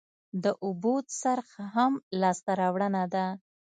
د اوبو څرخ هم لاسته راوړنه وه